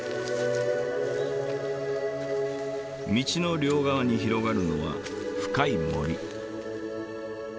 道の両側に広がるのは深い森。